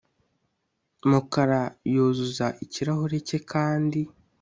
Mukara yuzuza ikirahure cye kandi